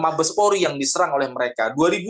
mabespori yang diserang oleh mereka